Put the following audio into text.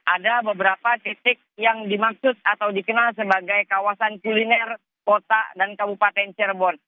ada beberapa titik yang dimaksud atau dikenal sebagai kawasan kuliner kota dan kabupaten cirebon